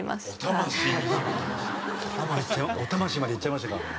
お魂までいっちゃいましたか。